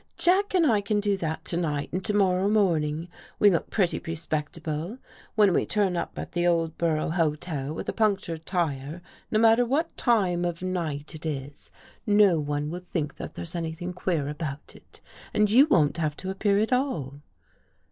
" Jack and I can do that tonight and to morrow morning. We look pretty respect able. When we turn up at the Oldborough hotel with a punctured tire, no matter what time of night 204 A NIGHT RIDE it is, no one will think that there's anything queer about it. And you won't have to appear at all."